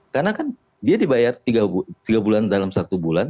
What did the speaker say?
karena kan dia dibayar rp tiga dalam satu bulan